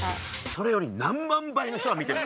それより何万倍の人が見てる。